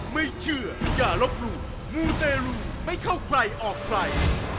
ไม่เชื่ออย่าลบหลู่มูเตรลูไม่เข้าใครออกใคร